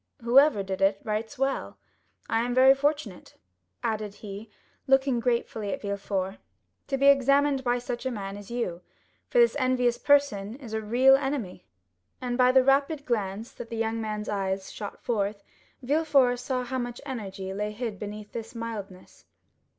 Whoever did it writes well. I am very fortunate," added he, looking gratefully at Villefort, "to be examined by such a man as you; for this envious person is a real enemy." And by the rapid glance that the young man's eyes shot forth, Villefort saw how much energy lay hid beneath this mildness.